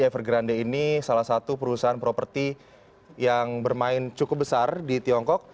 jevergrande ini salah satu perusahaan properti yang bermain cukup besar di tiongkok